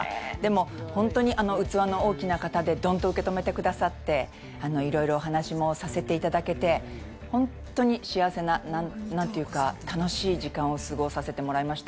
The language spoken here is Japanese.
本当に器の大きな方でドンと受け止めてくださっていろいろお話もさせていただけて本当に幸せな楽しい時間を過ごさせてもらいました。